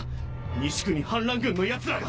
西区に反乱軍のヤツらが！